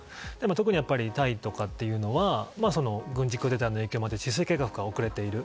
特にタイとかっていうのは軍事クーデターの影響があって治水計画が遅れている。